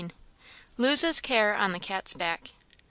Loses care on the cat's back.